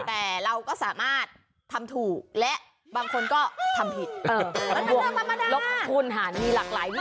แต่เราก็สามารถทำถูกและบางคนก็ทำผิดเออลักษณะธรรมดาลบคุณห่านมีหลากหลายวิธี